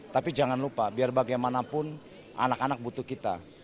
tapi jangan lupa biar bagaimanapun anak anak butuh kita